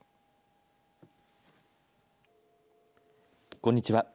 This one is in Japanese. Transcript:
こんにちは。